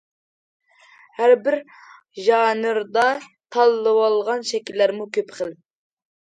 ھەر بىر ژانىردا تاللىۋالغان شەكىللەرمۇ كۆپ خىل.